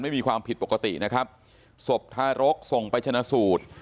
ไม่มีความผิดปกตินะครับศพทารกส่งไปชนะสูตร